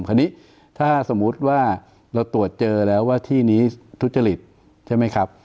คราวนี้ถ้าสมมุติว่าเราตรวจเจอแล้วว่าที่นี้ทุจริตใช่ไหมครับ